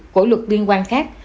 của luật liên quan khác